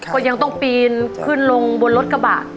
ก็ยังต้องปีนขึ้นลงบนรถกระบะ